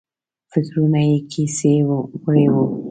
فکرونه یې کیسې وړي وو.